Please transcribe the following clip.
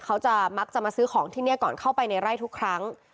มักจะมักจะมาซื้อของที่นี่ก่อนเข้าไปในไร่ทุกครั้ง